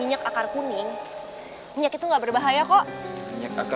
lihat saja died nengka dipakai